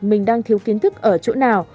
mình đang thiếu kiến thức ở chỗ nào